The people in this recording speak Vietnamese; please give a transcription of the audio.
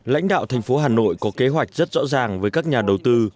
lãnh đạo thành phố hà nội có kế hoạch rất rõ ràng với các nhà đầu tư